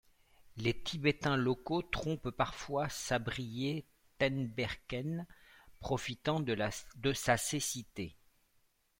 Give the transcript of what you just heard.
Les Tibétains locaux trompent parfois Sabriye Tenberken, profitant de sa cécité.